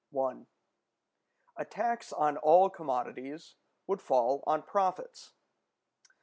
§ 1. A Tax on all commodities would fall on Profits.